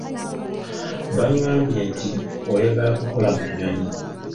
Bangambye nti oyagala kukola mu nnyonyi.